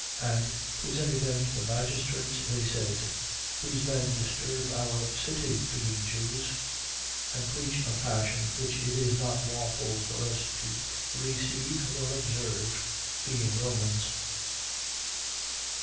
16:20. And presenting them to the magistrates, they said: These men disturb our city, being Jews: 16:21. And preach a fashion which it is not lawful for us to receive nor observe, being Romans.